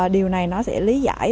điều này nó sẽ lý giải